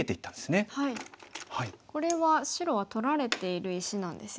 これは白は取られている石なんですよね。